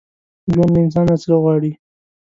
ژوند له انسان نه څه غواړي؟